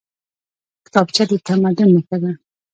کتابچه د تمدن نښه ده